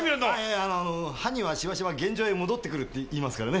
犯人はしばしば現場へ戻ってくるって言いますからね。